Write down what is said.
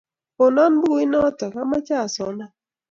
Konon pukuinotok ,amoche asoman.